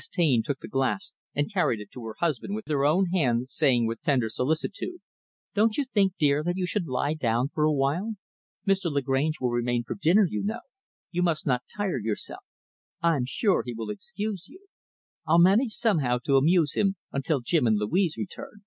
Taine took the glass and carried it to her husband with her own hand, saying with tender solicitude, "Don't you think, dear, that you should lie down for a while? Mr. Lagrange will remain for dinner, you know. You must not tire yourself. I'm sure he will excuse you. I'll manage somehow to amuse him until Jim and Louise return."